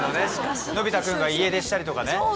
のび太君が家出したりとかね。